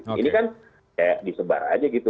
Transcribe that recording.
karena itu kan sebenarnya disebar saja gitu